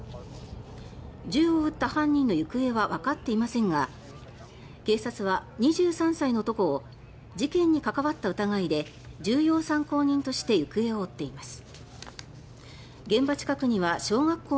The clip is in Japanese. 銃を撃った犯人の行方はわかっていませんが警察は、２３歳の男を事件に関わった疑いで重要参考人として行方を追っています。